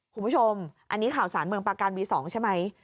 คุณผู้ชมอันนี้ข่าวสารเมืองปาการวี๒ใช่ไหม